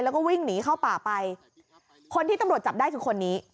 แล้วก็วิ่งหนีเข้าป่าไปคนที่ตำรวจจับได้คือคนนี้